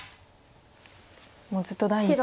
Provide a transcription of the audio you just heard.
もうずっと第一線で。